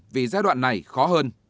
vì giai đoạn này khó hơn